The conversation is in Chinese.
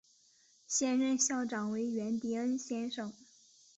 现任校长为源迪恩先生。